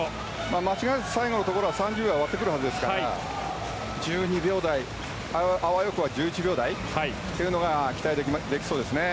間違いなく最後のところは３０秒台割ってくるので１２秒台、あわよくば１１秒台が期待できそうですね。